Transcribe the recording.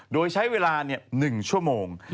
โดยใช้เวลา๑ชั่วโมง